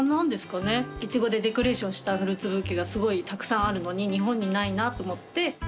いちごでデコレーションしたフルーツブーケがすごいたくさんあるのに日本にないなと思って。